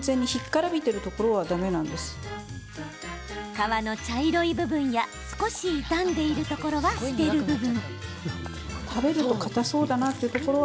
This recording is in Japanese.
皮の茶色い部分や少し傷んでいるところは捨てる部分。